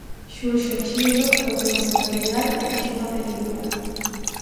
Xurxo Chirro colleu ese material e fixo unha película.